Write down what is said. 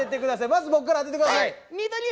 まず僕から当てて下さい。